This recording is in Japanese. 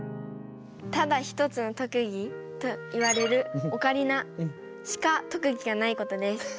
ただ一つの特技といわれるオカリナしか特技がないことです。